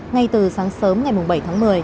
ngay từ sáng sớm ngày bảy tháng một mươi